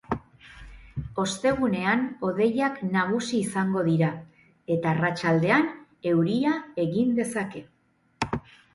Ostegunean hodeiak nagusi izango dira eta arratsaldean euria egin dezake.